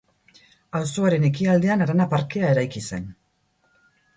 Auzoaren ekialdean Arana parkea eraiki zen.